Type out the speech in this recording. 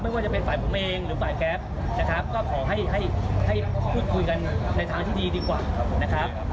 เดี๋ยวทางผมก็จะบอกทางผมว่า